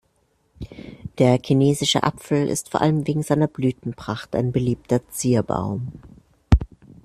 Der Chinesische Apfel ist vor allem wegen seiner Blütenpracht ein beliebter Zierbaum.